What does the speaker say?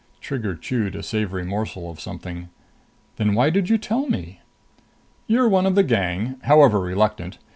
Trigger chewed a savory morsel of something. "Then why did you tell me?" "You're one of the gang, however reluctant.